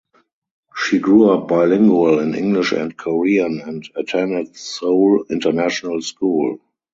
She grew up bilingual in English and Korean and attended Seoul International School.